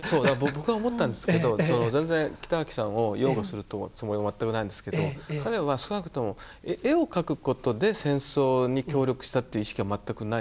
僕が思ったんですけど全然北脇さんを擁護するつもりも全くないんですけど彼は少なくとも絵を描くことで戦争に協力したという意識は全くない。